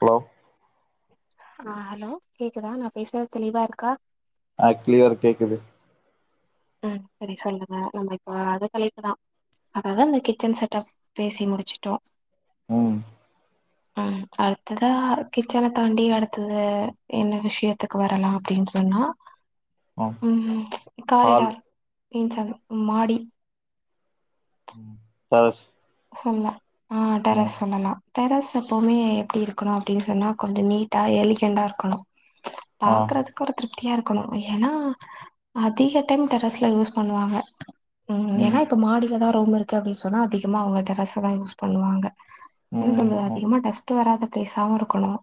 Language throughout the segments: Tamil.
ஹலோ ஆ ஹலோ கேக்குதா நா பேசுறது தெளிவாயிருக்கா ஆ கிளியரா கேக்குது அ செரி சொல்லுங்க நம்ம இப்போ அதே தலைப்பு தான் அததா அந்த கிச்சன் செட்டாப் பேசி முடிச்சுட்டோ ம் ம் அடுத்ததா கிச்சன தாண்டி அடுத்தது என்ன விஷயத்துக்கு வரலாம் அப்டின்னு சொன்னா ம் ம் ஹால் காரிடார் இன்சார் மாடி பாஸ் சொல்ல ஆ டெரஸ் சொல்லலா டெரஸ் எப்பவ்மே எப்டி இருக்கணு அப்டின்னு சொன்னா கொஞ்சோ நீட்டா எலிகன்டா இருக்கணு ம்ச் ஆ பாக்கறது ஒரு திருப்தியா இருக்கணு ஏன்னா அதிக டைம் டெரஸ்ல யூஸ் பண்ணுவாங்க ம் ஏன்னா இப்ப மாடில தான் ரூம் இருக்கு அப்டின் சொன்னா அதிகமா அவங்க் டெரஸ் தான் யூஸ் பண்ணுவாங்க என்ன ம் சொல்றது ம் அதிகமா டஸ்ட்டு வராத பிளேஸாவு இருக்கணும்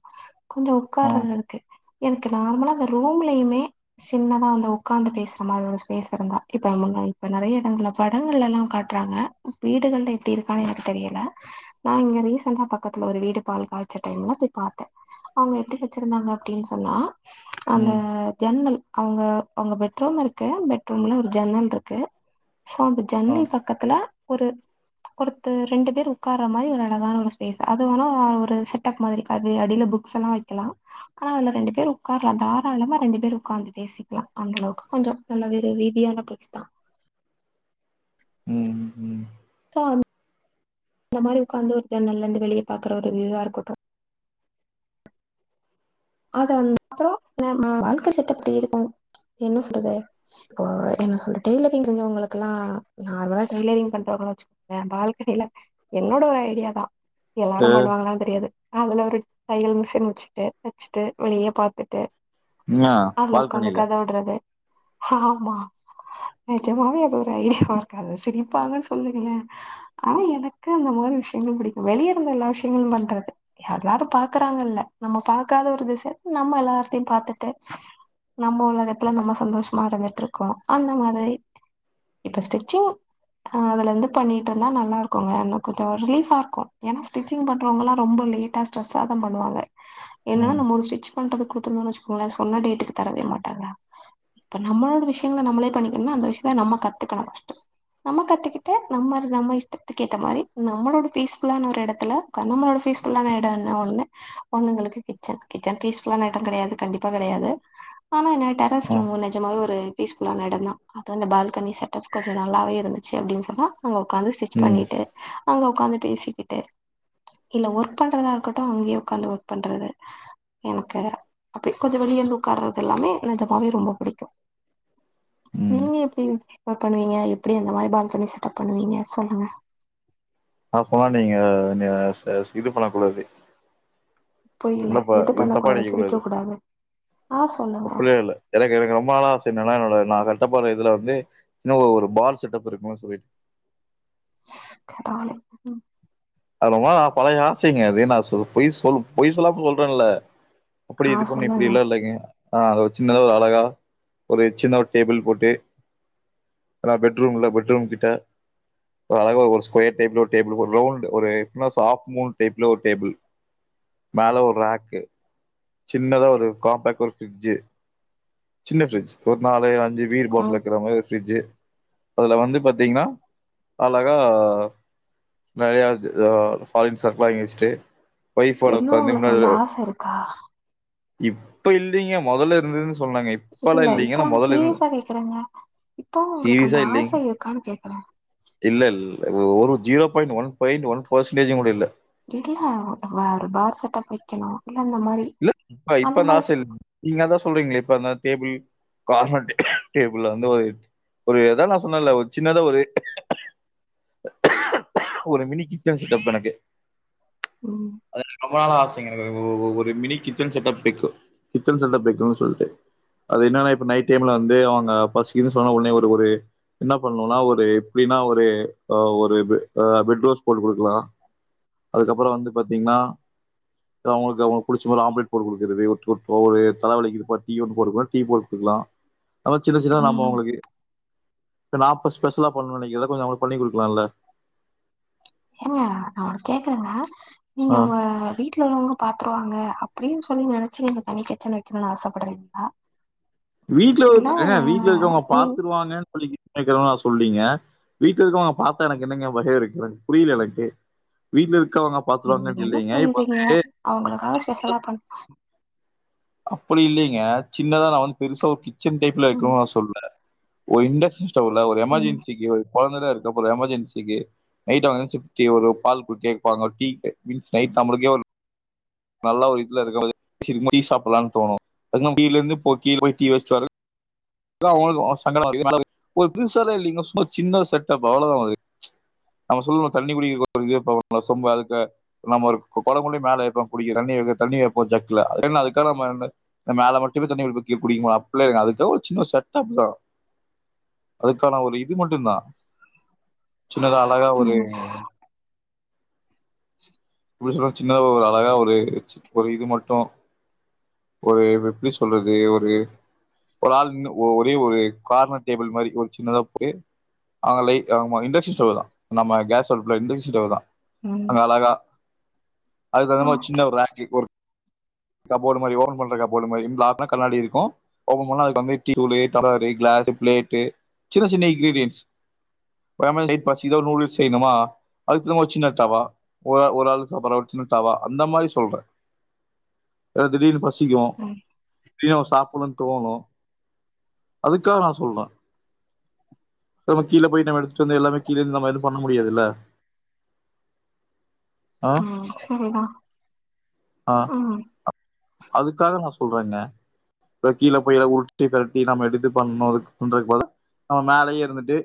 கொஞ்சோ ம் உக்காரர்ருக்கு எனக்கு நார்மலா அந்த ரூம்லயுமே சின்னதா வந்து ஒக்காந்து பேசுற மாரி ஒரு ப்ளேஸ் இருந்தா இப்ப முன்னா இப்ப நெறைய இடங்கள்ல படங்கள்லல்லா காட்றாங்க வீடுகள்லே இப்டி இருக்கானு எனக்கு தெரியல நான் இங்க ரெசென்ட்டா பக்கத்துல ஒரு வீடு பால் காய்ச்ச டைம்ல போய் பாத் அவங்க எப்டி வச்சிருந்தாங்க அப்டின்னு சொன்னா அந்த ம் ஜன்னல் அவங்க அவங்க பெட்ரூ இருக்கு பெட்ரூம்ல ஒரு ஜன்னல் இருக்கு சோ அந்த ஜன்னல் ம் பக் கத்துல ஒரு குடுத்து ரெண்டு பேர் உட்காற மாரி ஒரு அழகான ஒரு ஸ்பேஸ் அது வேனா ஒரு செட் அப் மாரி அது அடியில புக்ஸ் எல்லா வச்சு லா ஆனா அந்த ரெண்டு பேர் உட்காரலா தாராளமா ரெண்டு பேர் உட்கார்ந்து பேசிக்கலா அந்த அளவுக்கு கொஞ்சோ நல்ல வேறு வீதியான பிளேஸ் தா ம் ம் சோ அந்த மாரி உட்காந்து ஒரு தட நல்ல இருந்து வெளிய பாக்குற ஒரு வியூவா இருக்கட்டு அத வ அப்புறோ ந வாழ்க்க செட் அப் தேடி போம் ம்ச் என்ன சொல்றது இப்போ என்ன சொல்ற டெய்லரிங் தெரிஞ்சவங்களுக்கு எல்லா நார்மலா டெய்லரிங் பண்றவங்கள வச்சு வே பால்கனில என்னோட ஒரு ஐடியாதா எல்லாரு ஏ பண்ணுவாங்களான்னு தெரியாது அதுல ஒரு தையல் மிஷின் வச்சுட்டு வச்சுட்டு வெளிய பாத்துட்டு ன்யா அதுல ஒக்காந்து பால்கனில கத விடுறது ஆமா நெஜமாவே அது ஒரு ஐடியாவா இருக்காது சிரிப்பாங்கன் சொல்லுங்களே ஆனா எனக்கு அந்த மாரி விஷயங்கள் பிடிக்கு வெளிய இருந்து எல்லா விஷயங்களு பண்றது எல்லாரு பாக்குறாங்கல்ல நம்ம பாக்காத ஒரு திச நம்ம எல்லாத்தையு பாத்துட்டு நம்ம ஒலகத்துல நம்ம சந்தோஷமா இருந்துட்டு இருக்கோ அந்த மாரி [unintelligible] ஆ அதுல இருந்து பண்ணிட்டு இருந்தா நல்லா இருக்குங்க என கொஞ்சோ ரிலீஃபா இருக்கு ஏன்னா ஸ்டிச்சிங் பண்றவங்கல்லா ரொம்ப லேட் டா ஸ்ரெஸ்ஸா தா பண்ணுவாங்க [inaudible] ஏன்னா நம்ம ஒரு ஸ்டிச்சு பண்றதுக்கு குடுத்தருந்தோன் வச்சுக்கோங்களே சொன்ன டேட்டுக்கு தரவே மாட்டாங்க இப்ப நம்மளோ விஷயங்கள நம்மளே பண்ணிக்கனுனா அந்த விஷயத்த நம்ம கத்துக்கனு நம்ம கத்துக்கிட்டு நம்ம நம்ம இஷ்டத்துக்கு ஏத்த மாரி நம்மளோட பீஸ்ஃபுல்லான ஒரு எடத்ல நம்மளோட பீஸ்புல்லான எடோ இல்ல ஒன்னு பொண்ணுங்களுக்கு க கிச்சன் பீஸ் ஃபுல்லான எடோ கெடயாது கண்டிப்பா கெடயாது ஆனா என்னா டெரஸ் ம் நிஜமாவே ஒரு பீஸ்ஃபுல்லா எடந்தா அது வந்து பால்கனி செட்டப் கொஞ்ச நல்லாவே இருந்துச்சு அப்டின் சொன்னா அங்க ஒக்காந்து ஸ்டிச் ம் பண்ணிட்டு அங்க ஒக்காந்து பேசிக்கிட்டு இல்ல ஒர்க் பண்றதா இருக்கட்டு அங்கயே ஒக்காந்து ஒர்க் பண்றது எனக்கு அப்டி கொஞ்ச வெளிய வந்து ஒக்காறது எல்லாமே நெஜமாவே ரொம்ப பிடிக்கு ம் நீங்க எப்டி பண்ணுவீங்க எப்டி அந்த மாரி பால்கனி செட்டப் பண்ணுவீங்க சொல்லுங்க அப்பலா நீங்க இது பண்ண கூடாது என்னப்பா எது தப்பா நெனக்க கூடாது ஆ சொல்லுங்க அப்பிள்ள இல்ல எனக்கு எனக்கு ரொம்ப நாளா ஆச என்னனா நா கட்டப்போற இதுல வந்து இன்னு ஒரு பால் செட்டப் இருக்குன்னு சொல்லி டானு அது ரொம்ப நா பழைய ஆசைங்க அது நா சொ பொய் சொ பொய் சொல்லாம சொல்றேன்ல அப்டி ஆ இது பண்ணி இப்டி சொல்லுங்க இல்லா இல்லங்க ஆ அத ஒரு சின்னத ஒரு அழகா ஒரு சின்ன ஒரு டேபிள் போட்டு ஏனா பெட்ரூம் இல்ல பெட்ரூம் கிட்ட ஒரு அளவா ஒரு ஸ்கொயர் டைப்ல ஒரு டேபிள் ஒரு ரவுண்டு் ஒரு எக்மஸ் ஹாப் மூன் டைப்ல ஒரு டேபிள் மேல ஒரு ரேக்கு சின்னதா ஒரு காம்பேக்ட் ஒரு ஃபிரிட்ஜு சின்ன ஃபிரிட்ஜ் ஒரு நாலு அஞ்சு பீர் பாட்டில் ம் வக்கிற மாரி ஃப்ரிட்ஜு அதுல வந்து பாத்தீங்னா அழகா நெறயா ஃபாரின் சரக்ளா வாங்கி வஸ்ட்டு ஒய்ப்ஓட இன்னு இருக்கு உங்களுக்கு அந்த போது ஆச இருக்கா இப்ப இல்லீங்க மொதல்ல இருந்ததுன் சொன்னேங்க இல்ல இப்ப நாங்க சீரியஸா கேக்குறேங்க இப்பவு ஒங்களுக்கு அந்த சீரியஸா ஆச இல்லைங்க இருக்கான் கேக்குறே இல்ல இல்ல ஒரு zero point one point one percentage கூட இல்ல இல்ல ஒரு பார் செட்டப் வெக்கனு இல்ல இந்த மாரி இல்ல இப்ப இப்ப அந்த ஆச இல் நீங்க அதா சொல்றீங்களே இப்ப டேபிள் கார்மெட் டேபிள் அந்த ஒரு ஒரு எதா நா சொன்னேல ஒரு சின்னதா ஒரு ஒரு மினிக்கிச்சன் செட்டப் எனக்கு உம் அது ரொம்ப நாள் ஆசைங்க எனக்கு ஒரு mini kitchen setup kitchen setup வைக்கனுன் சொல்ட்டு அது என்னன்னா இப்ப நைட் டைம்ல வந்து அவுங்க பசிக்கிதுன் சொன்னா ஒடனே ஒரு ஒரு என்ன பண்ணுன்னா ஒரு எப்டின்னா ஒரு ஒரு பெட் ரோஸ்ட் போட்டு குடுக்கலா அதுக்கப்புறோ வந்து பாத்தீங்ன்னா அவங்களுக்கு அவங்களுக்கு இது மாரி ஆம்ப்லேட் போட்டு குடுக்குறது ஒட் ஒட் ஒவ்வொரு தல வலிக்கிதுப்பா டீ ஒன்னு போடுக்குடா டீ போடு குடுக்குலா அதா சின்ன சின்னதா நம்மோ ம் அவுங்குளுக்கு ல்ல நா அப்ப ஸ்பெஷலா பண்ணும் நினைக்கிறத கொஞ்சம் அவங்களுக்கு பண்ணி குடுக்குலால்ல அ நா கேக்குறேங்க ஆ நீங்க வ வீ ட்ல உள்ளவங்க பாத்துருவாங்க அப்புடின்னு சொல்லி நெனச்சி நீங்க தனி கிச்சன் வைக்கணும்னு ஆசைப்படுறீங்களா வீட்ல இரு அ வீட்ல இருக்குறவங்க நீ பாத்துருவாங்கன்னு சொல்லிகி ஏற்கனவே நா சொல்லீங்க வீட்ல இருக்குறவங்க பாத்தா எனக்கு என்ன ஞாபகோ இருக்கு எனக் புரில எனக்கு வீட்ல இருக்கவங்க நீங்க பாத்துருவாங்கன்டு என்ன இல்லைங்க இப்ப சொல்றீங்க வந்து அவங்களுக்காக ஸ்பெஷலா பண் அப்புடி இல்லைங்க சின்னதா நான் வந்து பெருசா ஒரு கிச்சன் டைப்ல ம் இருக்கனு நான் சொல்ல ஒரு இண்டக்ஷன் ஸ்டவ்ல ஒரு ம் எமர்ஜென்சிக்கி ஒரு கொழந்ததா இருக்கா போல எமர்ஜென்சிக்கி நைட்டு வந்து [unintelligible] நல்லா ஒரு இதுல இருக்கும் போது [unintelligible] டீ சாப்புட்லான்னு தோணும் [unintelligible] [unintelligible] சின்ன செட் டப்பு அவ்ளோ தா [unintelligible] நம்ம சொல்லணும் தண்ணி குடிக்க [unintelligible] சொம்ப அதுக்கு நம்ம ஒரு கொ கொடம் கொண்டு போய் மேல வைக்குறோம் குடிக்க தண்ணி வெக்க தண்ணி வைப்போம் ஜக்குல [unintelligible] இந்த மேல மட்டுமே தண்ணி [unintelligible] சின்ன செட்டப் தா அதுக்கான ஒரு இது மட்டும் தான் சின்னதா அழகா ஒரு ம் [inaudible] ப்புடி சொல்ற ஒரு அழகா ஒரு ஒரு இது மட்டும் ஒரு எப்புடி சொல்றது ஒரு ஒரு ஆள் இன்னு ஒ ஒரே ஒரு கார்னர் டேபிள் மாரி ஒரு சின்னதா [unintelligible] ஆகலை ஆமா இண்டக்ஷன் ஸ்டவ் தான் நம்ம கேஸ் அடுப்புல இண்டக்ஷன் ஸ்டவ் தான் ம் அழகா அதுக்கு தகுந்த ஆ மாரி சின்ன ஒரு ரேங்க ஒரு கபோர்டு மாரி ஓபன் பண்ற கபோர்டு மாரி [unintelligible] கண்ணாடி இருக்கும் ஒபன் பண்ணா அதுக்கு [unintelligible] டீ தூளு டம்ளரு கிளாஸு பிளேட்டு சின்ன சின்ன இன்கிரீடியன்ஸ் [unintelligible] பசிக்கிதோ நூடுல்ஸ் செய்ணுமா [unintelligible] சின்ன டவா ஒரு ஆள் ஒரு ஆள் சாப்புட்ற ஒரு சின்ன டவா அந்த மாரி சொல்றே ஏன்னா திடீர்னு பசிக்கு ம் ப்டியு சாப்புட்ணோன் தோணும் அதுக்தா நா சொல்றே ப்புறமா கீழ போய் நம்ம எடுத்துட்டு வந்து எல்லாமே கீழேந்து நம்ம இது பண்ண முடியாதுல்ல ஆ ம் சரிதா ஆ ம் அதுக்காக நா சொல்றேங்க ப்புறோ கீழ போய் எல்லா உருட்டி பெரட்டி நம்ம எடுத்து பண்ணணும் அதுக்குன்றது போல நம்ம மேலையே இருந்துட்டு